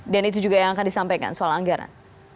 dan itu juga yang akan disampaikan soal anggaran